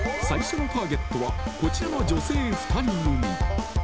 ［最初のターゲットはこちらの女性２人組］